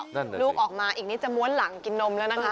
นั่นลูกออกมาอีกนิดจะม้วนหลังกินนมแล้วนะคะ